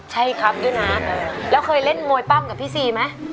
ใช่ครับด้วยนะแล้วเคยเล่นมวยปั้มกับพี่ซีไหม